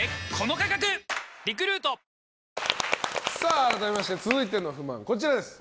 改めまして続いての不満こちらです。